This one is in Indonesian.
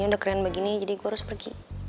udah keren begini jadi gue harus pergi